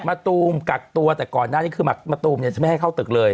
ตูมกักตัวแต่ก่อนหน้านี้คือมะตูมเนี่ยจะไม่ให้เข้าตึกเลย